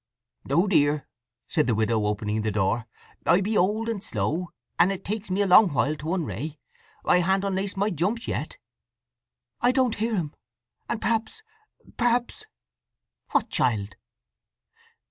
"No, dear," said the widow, opening the door. "I be old and slow, and it takes me a long while to un ray. I han't unlaced my jumps yet." "I—don't hear him! And perhaps—perhaps—" "What, child?"